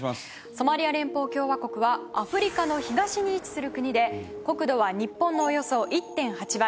ソマリア連邦共和国はアフリカの東に位置する国で国土は日本のおよそ１．８倍。